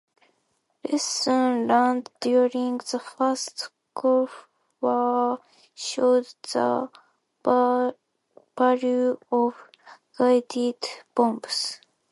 Lessons learned during the first Gulf War showed the value of guided bombs.